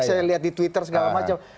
saya lihat di twitter segala macam